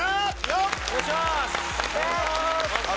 よろしくお願いします！